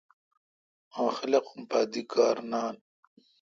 اوں خلقم پا دی کار نان۔